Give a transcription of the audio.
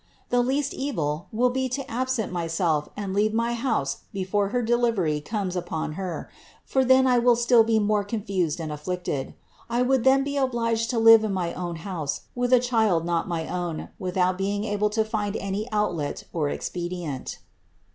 The least evil will be to absent myself and leave my house before her de livery comes upon Her; for then I would be still more confused and afflicted. I would then be obliged to live in my own house with a child not my own, without being able to find any outlet or expedient."